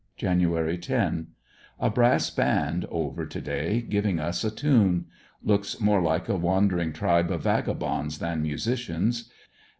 Jan. 1 .— A brass band over to day giving us a tune. Looks more like a wandering tribe of vagabonds than nusicians.